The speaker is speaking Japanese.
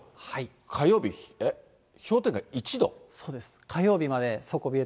火曜日、氷点下１度。